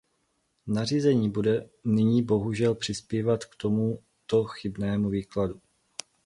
Nařízení bude nyní bohužel přispívat k tomuto chybnému výkladu.